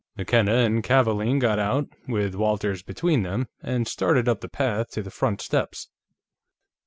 McKenna and Kavaalen got out, with Walters between them, and started up the path to the front steps.